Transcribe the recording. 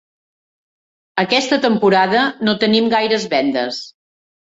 Aquesta temporada no tenim gaires vendes.